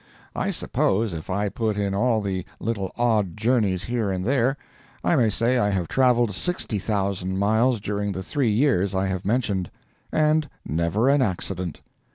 I suppose if I put in all the little odd journeys here and there, I may say I have travelled sixty thousand miles during the three years I have mentioned. And never an accident.